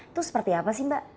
itu seperti apa sih mbak